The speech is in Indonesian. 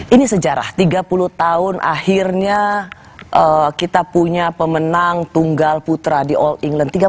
ini sejarah tiga puluh tahun akhirnya kita punya pemenang tunggal putra di all england